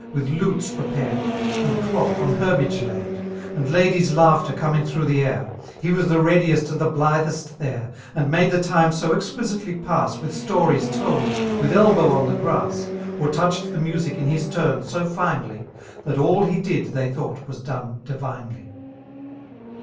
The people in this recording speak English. With lutes prepared, and doth en herbJige laidi And ladies' laughter coming through iht air,— He was the readiest and the blithest there; « V SI And made thetime 8o exquuitdy pass With storie»ftold with elhow oh the grass. Or touched the music in his turn so finely. That all he did, ihey thought, was done divinely.